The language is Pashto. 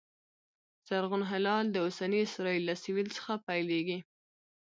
زرغون هلال د اوسني اسرایل له سوېل څخه پیلېږي